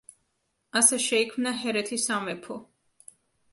ასე შეიქმნა ჰერეთის სამეფო.